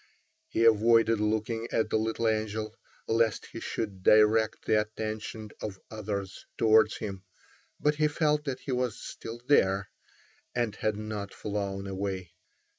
He avoided looking at the little angel, lest he should direct the attention of others towards him, but he felt that he was still there, and had not flown away.